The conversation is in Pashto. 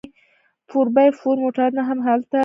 فور بای فور موټرونه هم هلته لیدل کیږي